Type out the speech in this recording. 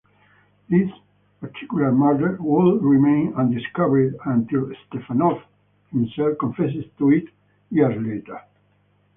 This particular murder would remain undiscovered until Stepanov himself confessed to it years later.